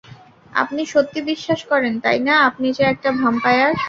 আপনি সত্যি বিশ্বাস করেন, তাই না, আপনি যে একটা ভ্যাম্পায়ার?